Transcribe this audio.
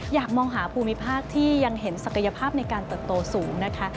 อยากมองหาภูมิภาคที่ยังเห็นศักยภาพในการเติบโตสูงนะคะ